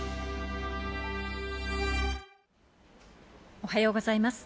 おはようございます。